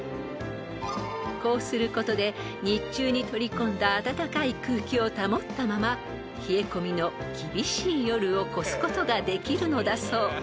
［こうすることで日中に取り込んだ暖かい空気を保ったまま冷え込みの厳しい夜を越すことができるのだそう］